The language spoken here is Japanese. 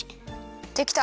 できた。